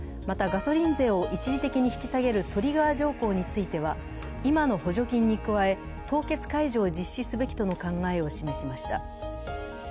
また、ガソリン税を一時的に引き下げるトリガー条項については今の補助金に加え、凍結解除を実施すべきとの考えを示しました。